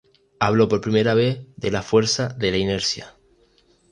Habló por primera vez de la fuerza de la inercia.